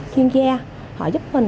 chuyên gia họ giúp mình